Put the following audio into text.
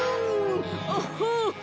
アハハ！